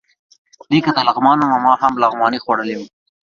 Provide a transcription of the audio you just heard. دی که د لغمان و، نو ما هم لغمان خوړلی و.